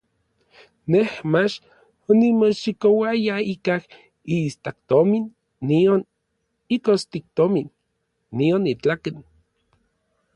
Nej mach onimoxikouaya ikaj iistaktomin nion ikostiktomin, nion itlaken.